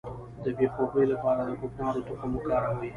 د بې خوبۍ لپاره د کوکنارو تخم وکاروئ